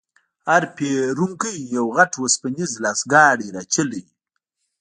هر پېرونکی یو غټ وسپنیز لاسګاډی راچلوي.